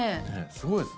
すごいですね。